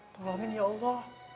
tolongin ya allah